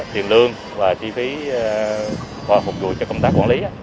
tiền lương và chi phí phục vụ cho công tác quản lý